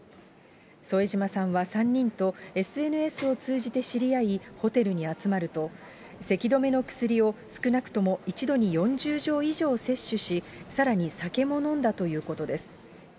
添島さんは３人とＳＮＳを通じて知り合い、ホテルに集まると、せき止めの薬を少なくとも一度に４０錠以上摂取し、さらに酒も飲んだということです。